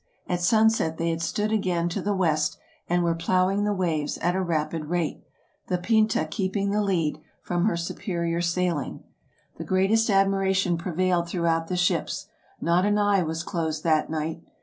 At sunset they had stood again to the west, and were plowing the waves at a rapid rate, the " Pinta " keeping the lead, from her superior sailing. The greatest animation prevailed through out the ships ; not an eye was closed that night.